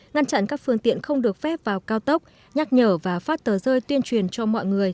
ngăn chặn các phương tiện không được phép vào cao tốc nhắc nhở và phát tờ rơi tuyên truyền cho mọi người